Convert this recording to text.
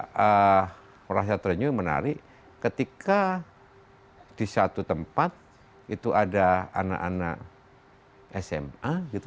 saya rasa ternyata menarik ketika di satu tempat itu ada anak anak sma gitu